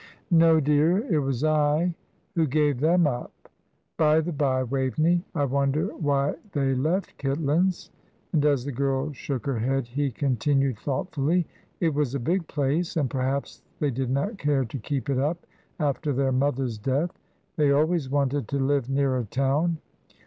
"No, dear, it was I who gave them up. By the bye, Waveney, I wonder why they left Kitlands?" and as the girl shook her head, he continued, thoughtfully, "It was a big place, and perhaps they did not care to keep it up after their mother's death; they always wanted to live nearer town.